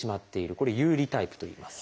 これ「遊離」タイプといいます。